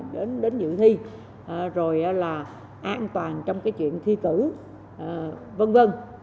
đến dự thi rồi là an toàn trong cái chuyện thi cử v v